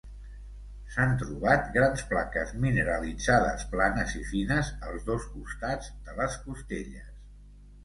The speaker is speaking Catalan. S'ha trobat grans plaques mineralitzades planes i fines als dos costats de les costelles.